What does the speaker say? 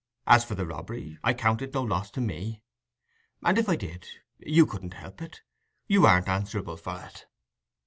As for the robbery, I count it no loss to me. And if I did, you couldn't help it: you aren't answerable for it."